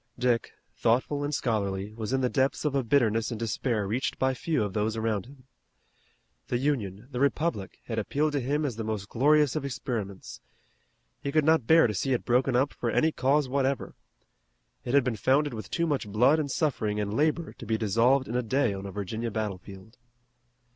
Dick, thoughtful and scholarly, was in the depths of a bitterness and despair reached by few of those around him. The Union, the Republic, had appealed to him as the most glorious of experiments. He could not bear to see it broken up for any cause whatever. It had been founded with too much blood and suffering and labor to be dissolved in a day on a Virginia battlefield.